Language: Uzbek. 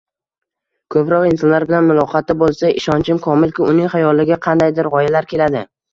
koʻproq insonlar bilan muloqotda boʻlsa, ishonchim komilki, uning xayoliga qandaydir gʻoyalar keladi.